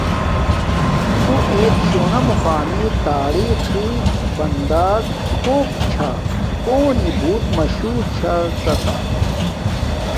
تو ایت شونا مقامی تاریقی بندک کوک چھا کونی بوت مشہوا چھا کا تہ